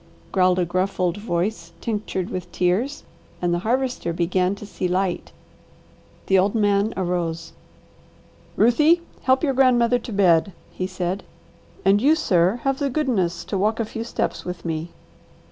growled a gruff old voice tinctured with tears, and the Harvester began to see light. The old man arose. "Ruthie, help your grandmother to bed," he said. "And you, sir, have the goodness to walk a few steps with me."